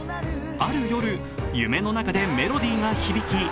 ある夜、夢の中でメロディーが響き